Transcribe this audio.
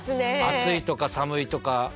暑いとか寒いとか。